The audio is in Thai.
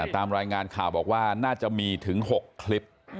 ตามรายงานข่าวบอกว่าน่าจะมีถึง๖คลิป